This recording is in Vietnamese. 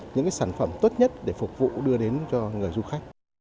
những sản phẩm tốt nhất để phục vụ đưa đến cho người du khách